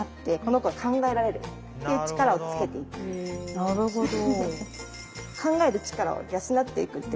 なるほど。